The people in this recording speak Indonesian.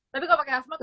tapi kalau pakai hazmat